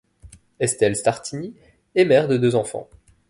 Estelle Sartini est mère de deux enfants.